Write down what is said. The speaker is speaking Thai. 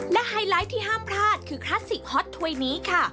และไฮไลท์ที่ห้ามพลาดคือคลาสสิกฮอตถ้วยนี้ค่ะ